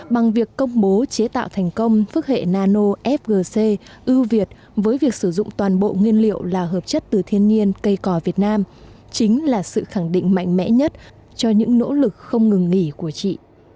bằng việc công bố chế tạo thành công phức hệ nano fgc ưu việt với việc sử dụng toàn bộ nguyên liệu là hợp chất từ thiên nhiên cây cò việt nam chính là sự khẳng định mạnh mẽ nhất cho những nỗ lực không ngừng nghỉ của chị